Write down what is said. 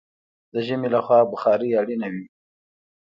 د ژمي له خوا بخارۍ اړینه وي.